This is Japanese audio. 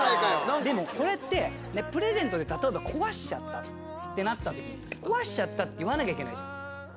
でもこれってプレゼントで例えば壊しちゃったってなった時壊しちゃったって言わなきゃいけないじゃん。